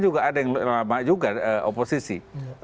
juga ada yang lama juga oposisi